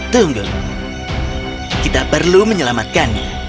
tunggu kita perlu menyelamatkannya